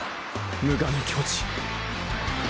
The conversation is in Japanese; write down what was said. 無我の境地！